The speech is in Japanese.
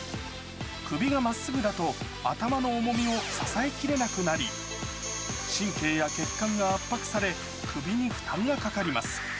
首がまっすぐだと、頭の重みを支えきれなくなり、神経や血管が圧迫され、首に負担がかかります。